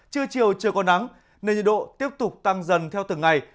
chưa chiều chưa có nắng nên nhiệt độ tiếp tục tăng dần theo từng ngày